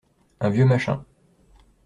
Un vieux machin.